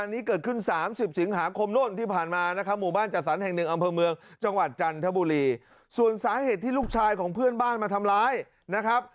อันนี้เกิดขึ้น๓๐สิงหาคมโน่นที่ผ่านมานะครับหมู่บ้านจัดสรรแห่งหนึ่งอำเภอเมืองจังหวัดจันทบุรีส่วนสาเหตุที่ลูกชายของเพื่อนบ้านมาทำร้ายนะครับ